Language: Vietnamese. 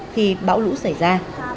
khi bão lũ xảy ra